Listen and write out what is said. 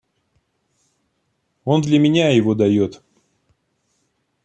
Он для меня его дает.